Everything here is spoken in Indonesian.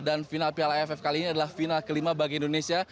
dan final piala aff kali ini adalah final kelima bagi indonesia